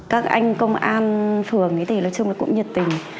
các anh công an phường thì nói chung là cũng nhiệt tình